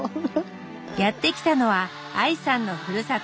やって来たのはＡＩさんのふるさと